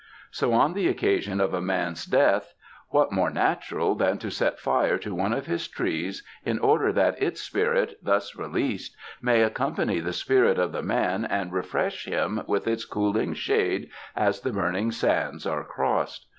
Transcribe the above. So, on the occasion of a man's death, what 39 UNDER THI SKY IN CALIFORNIA more natural than to set fire to one of his trees in order that its spirit, thus released, may accompany the spirit of the man and refresh him with its cool ing shade as the burning sands are crossed?